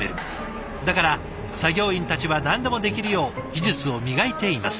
だから作業員たちは何でもできるよう技術を磨いています。